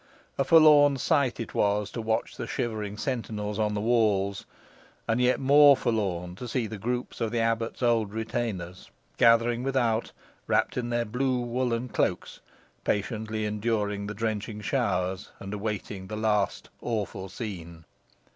A forlorn sight it was to watch the shivering sentinels on the walls; and yet more forlorn to see the groups of the abbot's old retainers gathering without, wrapped in their blue woollen cloaks, patiently enduring the drenching showers, and awaiting the last awful scene.